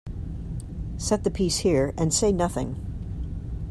Set the piece here and say nothing.